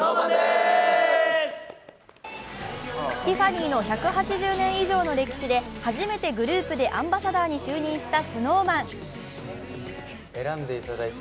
ティファニーの１８０年以上の歴史で初めてグループでアンバサダーに就任したＳｎｏｗＭａｎ。